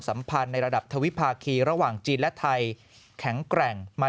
สัมพันธ์ในระดับทวิภาคีระหว่างจีนและไทยแข็งแกร่งมา